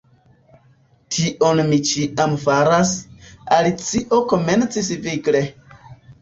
"Tion mi ĉiam faras," Alicio komencis vigle.